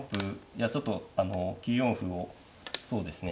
いやちょっとあの９四歩をそうですね